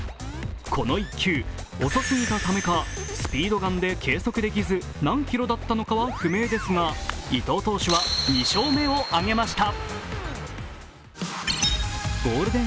この１球、遅すぎたためかスピードガンで計測できず何キロだったのかは不明ですが伊藤選手は２勝目を挙げました。